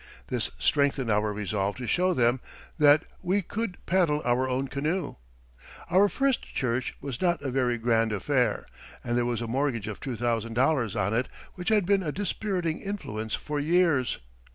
This strengthened our resolve to show them that we could paddle our own canoe. Our first church was not a very grand affair, and there was a mortgage of $2,000 on it which had been a dispiriting influence for years.